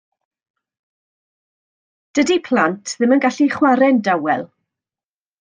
Dydi plant ddim yn gallu chwarae'n dawel.